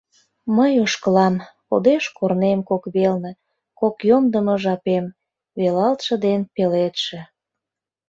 Мый ошкылам — кодеш корнем кок велне Кок йомдымо жапем — велалтше ден пеледше.